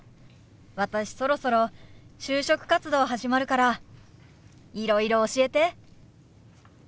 私そろそろ就職活動始まるからいろいろ教えて。